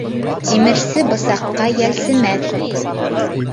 Тимерсе бысаҡҡа йәлсемәҫ.